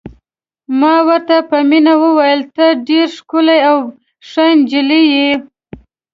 ما ورته په مینه وویل: ته ډېره ښکلې او ښه نجلۍ یې.